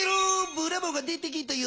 ブラボーが出てきたよ。